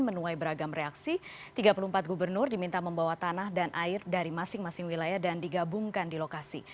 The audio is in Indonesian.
menuai beragam reaksi tiga puluh empat gubernur diminta membawa tanah dan air dari masing masing wilayah dan digabungkan di lokasi